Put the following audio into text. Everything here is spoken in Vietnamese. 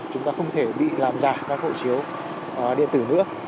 chúng ta không thể bị làm giả các hộ chiếu điện tử nữa